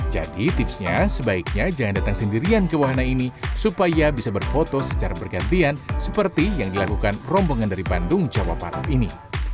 jadi tipsnya sebaiknya jangan datang sendirian ke wahana ini supaya bisa berfoto secara bergantian seperti yang dilakukan rombongan dari bandung jawa patung ini